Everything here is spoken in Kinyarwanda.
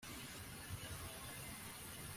Bene aba bantu bahinduka abarwayi bokamwe